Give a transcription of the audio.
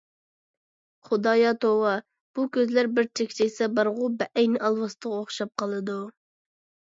خۇدايا توۋا، بۇ كۆزلەر بىر چەكچەيسە بارغۇ بەئەينى ئالۋاستىغا ئوخشاپ قالىدۇ.